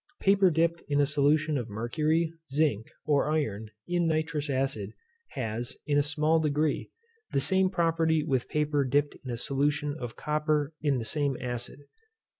Paper dipped in a solution of mercury, zinc, or iron, in nitrous acid, has, in a small degree, the same property with paper dipped in a solution of copper in the same acid.